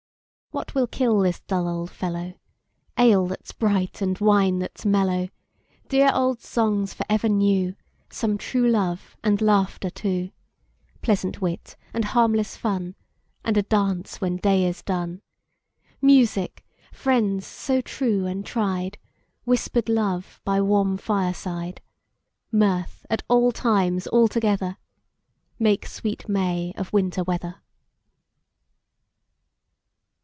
What will kill this dull old fellow? Ale that 's bright, and wine that 's mellow! Dear old songs for ever new; Some true love, and laughter too; Pleasant wit, and harmless fun, And a dance when day is done. Music, friends so true and tried, Whisper'd love by warm fireside, Mirth at all times all together, Make sweet May of Winter weather.